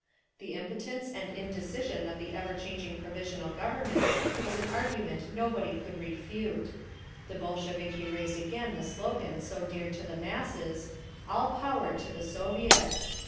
The impotence and indecision of the ever changing Provisional Government was an argument nobody could refute. The Bolsheviki raised again the slogan so dear to the masses, "All Power to the Soviets!"